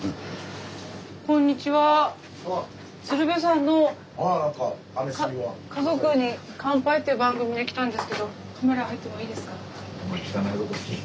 鶴瓶さんの「家族に乾杯」という番組で来たんですけどカメラ入ってもいいですか？